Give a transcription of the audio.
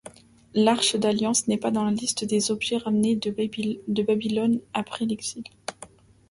L'arche d'alliance n'est pas dans la liste des objets ramenés de Babylone après l'exil.